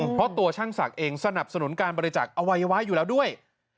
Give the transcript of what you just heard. เพราะตัวช่างศักดิ์เองสนับสนุนการบริจักษ์อวัยวะอยู่แล้วด้วย